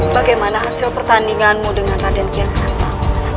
bagaimana hasil pertandinganmu dengan raden kian santang